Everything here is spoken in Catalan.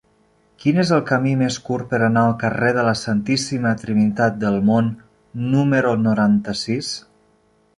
Quin és el camí més curt per anar al carrer de la Santíssima Trinitat del Mont número noranta-sis?